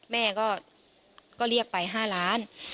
แม่ก็เรียกไป๕ล้าน